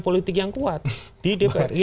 politik yang kuat di dpr ri